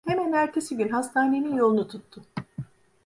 Hemen ertesi gün hastanenin yolunu tuttu.